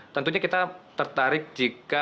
tentunya kita tertarik jika